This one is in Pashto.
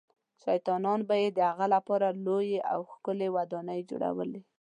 شیطانان به یې د هغه لپاره لویې او ښکلې ودانۍ جوړولې.